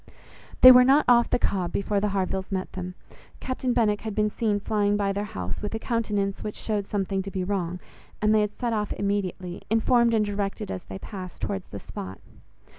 They were not off the Cobb, before the Harvilles met them. Captain Benwick had been seen flying by their house, with a countenance which showed something to be wrong; and they had set off immediately, informed and directed as they passed, towards the spot.